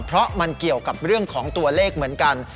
เพราะมันเกี่ยวกับเรื่องของตัวเลขเหมือนกัน